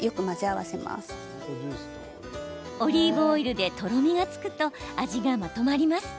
オリーブオイルでとろみがつくと味がまとまります。